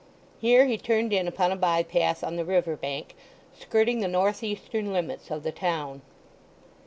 Here he turned in upon a bypath on the river bank, skirting the north eastern limits of the town.